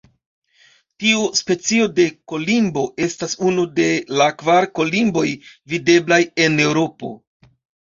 Tiu specio de kolimbo estas unu de la kvar kolimboj videblaj en Eŭropo.